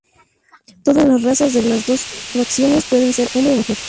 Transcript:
Todas las razas de las dos facciones pueden ser hombre o mujer.